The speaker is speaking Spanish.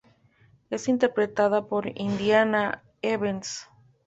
Es interpretada por Indiana Evans.